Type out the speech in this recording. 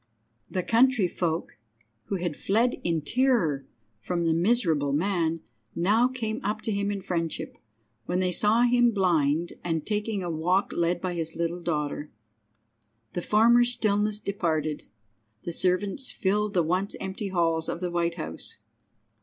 The country folk, who had fled in terror from the miserable man, now came up to him in friendship, when they saw him blind and taking a walk led by his little daughter. The former stillness departed. The servants filled the once empty halls of the White House.